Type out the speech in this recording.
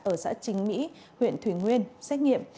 ở xã chính mỹ huyện thủy nguyên xét nghiệm